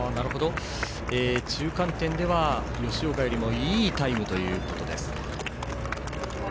中間点では吉岡よりもいいタイムということです。